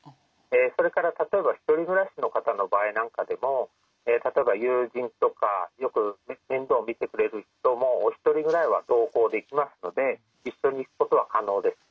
それから例えば１人暮らしの方の場合なんかでも例えば友人とかよく面倒を見てくれる人もお一人ぐらいは同行できますので一緒に行くことは可能です。